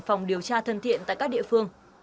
phòng điều tra thân thiện tại các địa phương